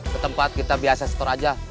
ke tempat kita biasa store aja